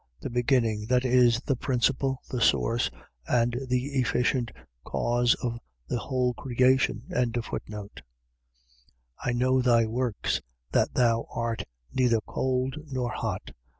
The beginning. . .that is, the principle, the source, and the efficient cause of the whole creation. 3:15. I know thy works, that thou art neither cold nor hot.